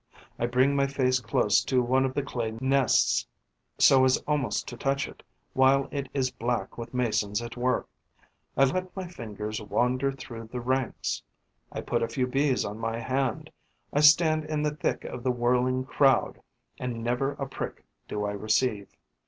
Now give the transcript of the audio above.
I bring my face close to one of the clay nests, so as almost to touch it, while it is black with Masons at work; I let my fingers wander through the ranks, I put a few Bees on my hand, I stand in the thick of the whirling crowd and never a prick do I receive.